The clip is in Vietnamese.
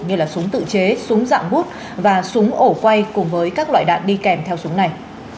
như là súng tự chế súng dạng bút và súng ổ quay cùng với các loại đạn đi kèm theo súng này